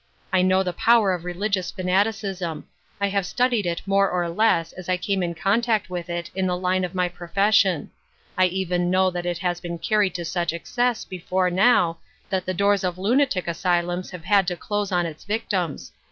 I know the power of religious fanaticism. I have studied it more or less as I came in contact with it in the line of my profession ; I even know that it has been carried to such excess before now that the doors of lunatic asylums have had to close on its victims.